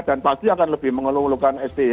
dan pasti akan lebih mengeluh eluhkan sti